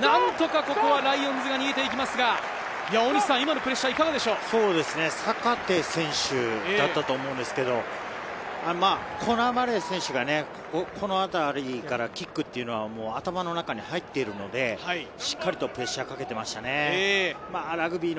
何とかここはライオンズが逃げていきますが、今のプレッシャー、いかがでしょ坂手選手だったと思うんですけど、コナー・マレー選手が、このあたりからキックというのは頭の中に入っているので、しっかりとプレッシャーをかけていましたね。